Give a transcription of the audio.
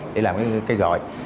để làm cái cây gọi